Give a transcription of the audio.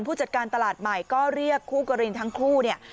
ผู้จัดการตลาดใหม่ก็เรียกคู่กรณีทั้งคู่เนี่ย